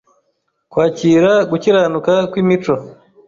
kwakira gukiranuka kw’imico